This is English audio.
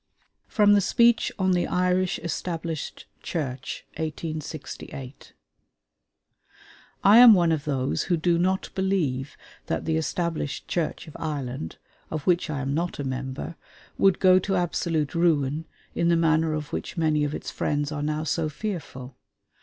FROM THE SPEECH ON THE IRISH ESTABLISHED CHURCH (1868) I am one of those who do not believe that the Established Church of Ireland of which I am not a member would go to absolute ruin, in the manner of which many of its friends are now so fearful.